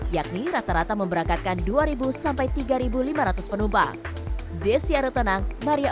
yakni rata rata memberangkatkan dua sampai tiga lima ratus penumpang